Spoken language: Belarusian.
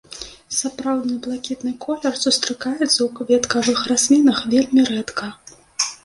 Сапраўдны блакітны колер сустракаецца ў кветкавых раслінах вельмі рэдка.